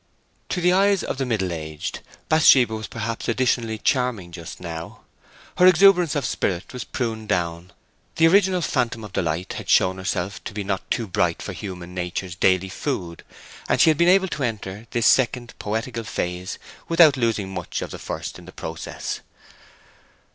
To the eyes of the middle aged, Bathsheba was perhaps additionally charming just now. Her exuberance of spirit was pruned down; the original phantom of delight had shown herself to be not too bright for human nature's daily food, and she had been able to enter this second poetical phase without losing much of the first in the process.